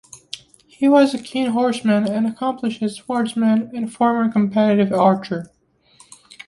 He was a keen horseman and accomplished swordsman and former competitive archer.